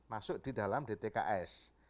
masuk di dalam dtks